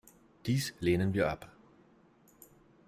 Dies lehnen wir ab.